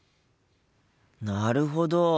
なるほど！